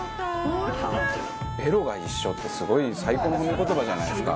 ベロが一緒ってすごい最高の褒め言葉じゃないですか。